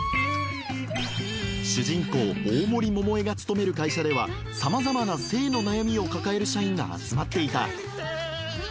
主人公大森桃江が勤める会社ではさまざまな性の悩みを抱える社員が集まっていた。